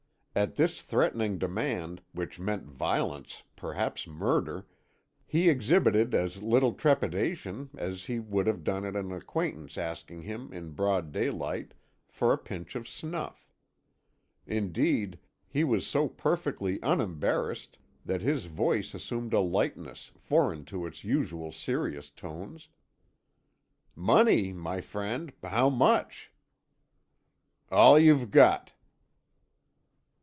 At this threatening demand, which meant violence, perhaps murder, he exhibited as little trepidation as he would have done at an acquaintance asking him, in broad daylight, for a pinch of snuff. Indeed, he was so perfectly unembarrassed that his voice assumed a lightness foreign to its usual serious tones. "Money, my friend! How much?" "All you've got."